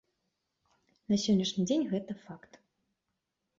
На сённяшні дзень гэта факт.